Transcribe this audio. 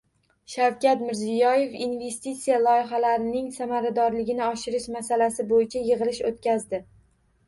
Shavkat Mirziyoyev investitsiya loyihalarining samaradorligini oshirish masalalari bo‘yicha yig‘ilish o‘tkazdi